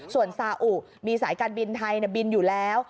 ส่วนซาอุมีสายการบินไทยบินอยู่แล้ว